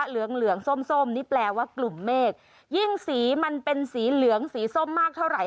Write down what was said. เหลืองเหลืองส้มส้มนี่แปลว่ากลุ่มเมฆยิ่งสีมันเป็นสีเหลืองสีส้มมากเท่าไห